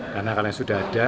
karena kalian sudah ada